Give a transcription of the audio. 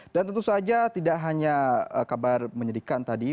dan tentu saja tidak hanya kabar menyedihkan tadi